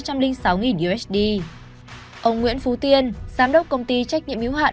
ông nguyễn phú tiên giám đốc công ty trách nhiệm hiếu hạn